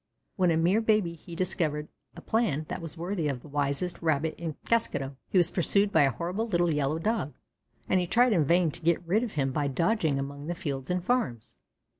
When a mere baby he discovered a plan that was worthy of the wisest Rabbit in Kaskado. He was pursued by a horrible little Yellow Dog, and he had tried in vain to get rid of him by dodging among the fields and farms.